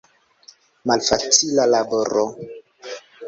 Malfacila laboro!